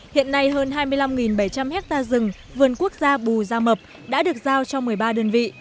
hiện nay hơn hai mươi năm bảy trăm linh hectare rừng vườn quốc gia bù gia mập đã được giao cho một mươi ba đơn vị